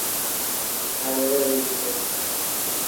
আর এবার এই দিকে।